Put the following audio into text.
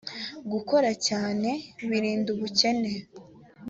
gukoracyane birinda ubukene.